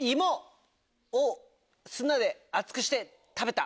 砂で熱くして食べた。